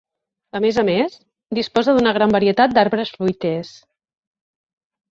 A més a més, disposa d'una gran varietat d'arbres fruiters.